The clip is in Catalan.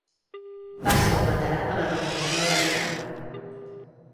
Va ser un veterà de la revolució americana.